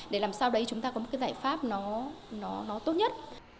để làm sao đấy chúng ta có một cái giải pháp nó tốt nhất